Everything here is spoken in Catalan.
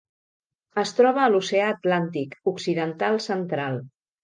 Es troba a l'Oceà Atlàntic occidental central: